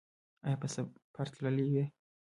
ایا په سفر تللي وئ؟